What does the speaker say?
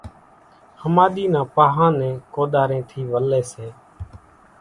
ۿماۮي نان پاۿان نين ڪوۮارين ٿي ولي سي